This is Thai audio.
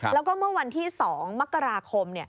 แล้วก็เมื่อวันที่๒มกราคม